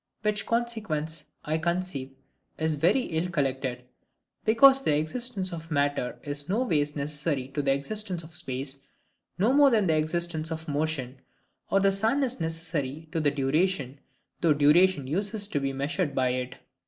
Which consequence, I conceive, is very ill collected, because the existence of matter is no ways necessary to the existence of space, no more than the existence of motion, or the sun, is necessary to duration, though duration uses to be measured by it.